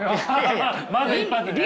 まず一発ね。